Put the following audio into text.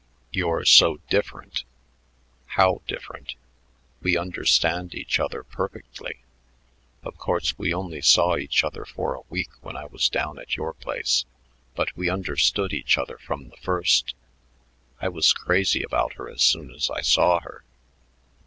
"You're so different." "How different? We understand each other perfectly. Of course, we only saw each other for a week when I was down at your place, but we understood each other from the first. I was crazy about her as soon as I saw her."